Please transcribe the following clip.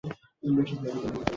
যা করছিলে সেটাই করো, স্যালি!